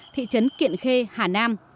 thị trấn kiện khê hà nam